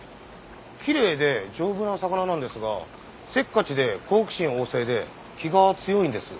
きれいで丈夫な魚なんですがせっかちで好奇心旺盛で気が強いんです。